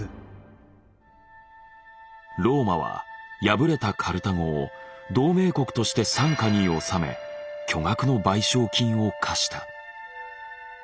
ローマは敗れたカルタゴを同盟国として傘下に収め巨額の賠償金を課した。